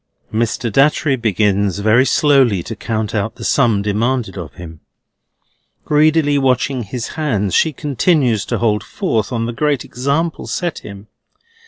Mr. Datchery begins very slowly to count out the sum demanded of him. Greedily watching his hands, she continues to hold forth on the great example set him.